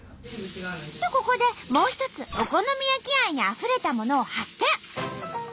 とここでもう一つお好み焼き愛にあふれたものを発見。